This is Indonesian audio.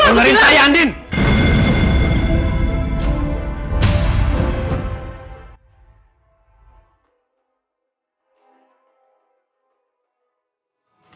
dengerin saya andin